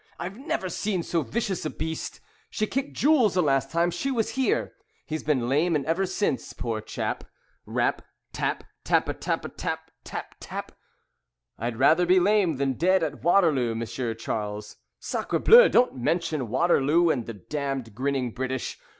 I've never seen so vicious a beast. She kicked Jules the last time she was here, He's been lame ever since, poor chap." Rap! Tap! Tap a tap a tap! Tap! Tap! "I'd rather be lame than dead at Waterloo, M'sieu Charles." "Sacre Bleu! Don't mention Waterloo, and the damned grinning British.